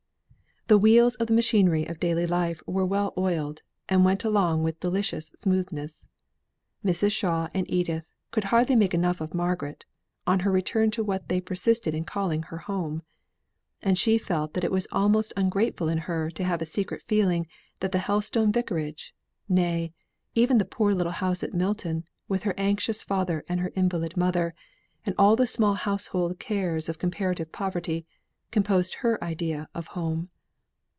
The wheels of the machinery of daily life were well oiled, and went along with delicious smoothness. Mrs. Shaw and Edith could hardly make enough of Margaret, on her return to what they persisted in calling her home. And she felt that it was almost ungrateful in her to have a secret feeling that the Helstone vicarage nay, even the poor little house at Milton, with her anxious father and her invalid mother, and all the small household cares of comparative poverty, composed her idea of home.